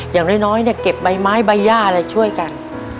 อย่างน้อยเนี่ยเก็บใบไม้ใบย่าอะไรช่วยกัน